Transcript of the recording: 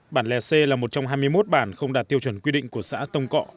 bản lè c là một trong hai mươi một bản không đạt tiêu chuẩn quy định của xã tông cọ